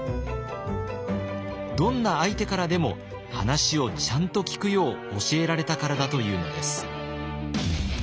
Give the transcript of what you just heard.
どんな相手からでも話をちゃんと聞くよう教えられたからだというのです。